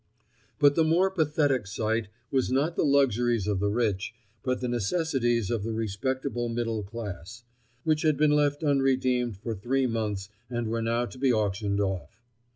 But the more pathetic sight was not the luxuries of the rich, but the necessities of the respectable middle class, which had been left unredeemed for three months and were now to be auctioned off.